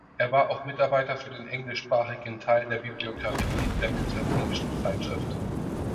Er war auch Mitarbeiter für den englischsprachigen Teil der Bibliographie der Byzantinischen Zeitschrift.